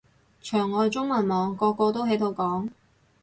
牆外中文網個個都喺度講